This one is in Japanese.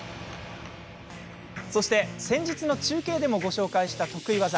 そして、先日の中継でもご紹介した得意技。